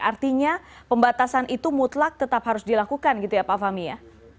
artinya pembatasan itu mutlak tetap harus dilakukan gitu ya pak fahmi ya